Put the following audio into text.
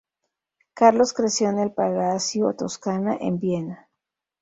Carlos Creció en el Palacio Toscana en Viena.